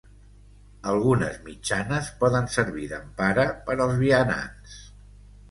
Algunes mitjanes poden servir d'empara per als vianants.